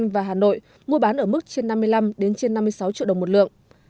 và hà nội mua bán ở mức trên năm mươi năm năm mươi sáu triệu đồng một lượng